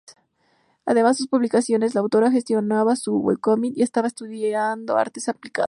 Antes de su publicación, la autora gestionaba un webcómic y estaba estudiando artes aplicadas.